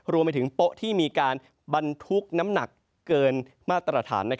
โป๊ะที่มีการบรรทุกน้ำหนักเกินมาตรฐาน